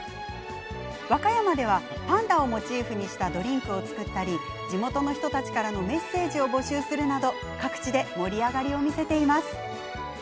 和歌山ではパンダをモチーフにしたドリンクを作ったり地元の人たちからのメッセージを募集したりするなど各地で盛り上がりを見せています。